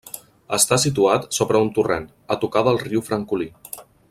Està situat sobre un torrent, a tocar del riu Francolí.